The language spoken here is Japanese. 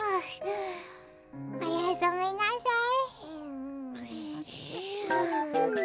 おやすみなさい。